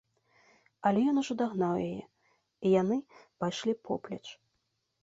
Але ён ужо дагнаў яе, і яны пайшлі поплеч.